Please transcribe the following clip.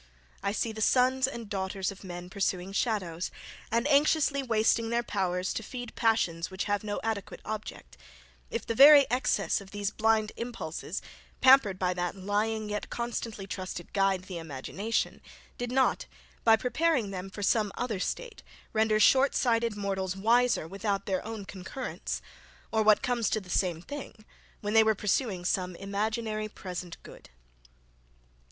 I see the sons and daughters of men pursuing shadows, and anxiously wasting their powers to feed passions which have no adequate object if the very excess of these blind impulses pampered by that lying, yet constantly trusted guide, the imagination, did not, by preparing them for some other state, render short sighted mortals wiser without their own concurrence; or, what comes to the same thing, when they were pursuing some imaginary present good.